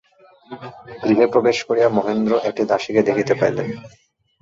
গৃহে প্রবেশ করিয়া মহেন্দ্র একটি দাসীকে দেখিতে পাইলেন।